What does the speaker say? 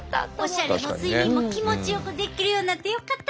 オシャレも睡眠も気持ちよくできるようになってよかったな！